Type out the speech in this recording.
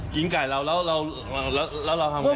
กินไก่เราแล้วเราทำยังไง